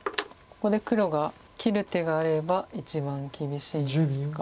ここで黒が切る手があれば一番厳しいんですが。